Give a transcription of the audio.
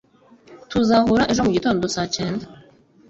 Tuzahura ejo mugitondo saa cyenda?